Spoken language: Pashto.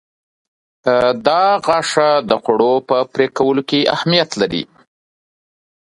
دا غاښه د خوړو په پرې کولو کې اهمیت لري.